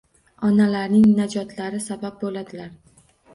Onalarining najotlariga sabab bo'ladilar.